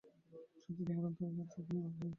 সত্য তোমার অন্তরে আছে অক্ষুণ্ন হয়ে।